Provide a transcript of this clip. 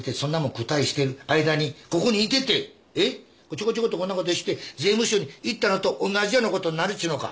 ちょこちょこっとこんなことして税務署に行ったのと同じようなことになるっちゅうのか？